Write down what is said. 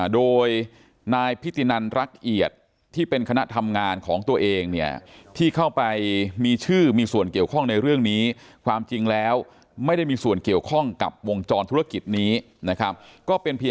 โดยนายพิธินันรักเอียดที่เป็นคณะทำงานของตัวเองเนี่ยที่เข้าไปมีชื่อมีส่วนเกี่ยวข้องในเรื่องนี้